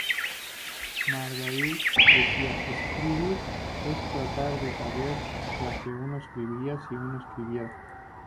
Marguerite decía: "Escribir es tratar de saber lo que uno escribiría si uno escribiera".